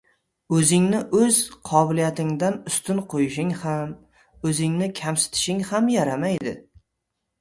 O‘zingni o‘z qobiliyatingdan ustun qo‘yishing ham, o‘zingni kamsitishing ham yaramaydi.